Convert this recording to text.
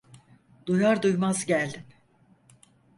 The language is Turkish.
Duyar duymaz geldim.